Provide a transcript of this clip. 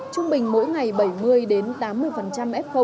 trung bình mỗi ngày bảy mươi tám mươi f